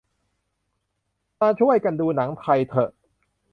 มาช่วยกันดูหนังไทยเถอะ